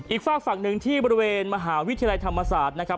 ฝากฝั่งหนึ่งที่บริเวณมหาวิทยาลัยธรรมศาสตร์นะครับ